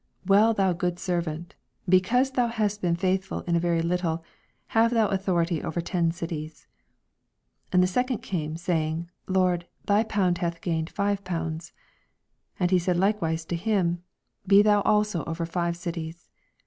Well, thou good servant : because thou hast been faithful in a very little, have thou authority over ten cities. 18 And the second came, saying, Lord, thy pound hath gained five pounds. 19 And he said likewise to him, Be thou also over five cities.